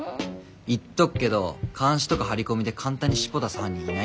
言っとくけど監視とか張り込みで簡単に尻尾出す犯人いないから。